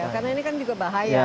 karena ini kan juga bahaya